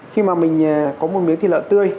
khi mà mình có một miếng thịt lợn tươi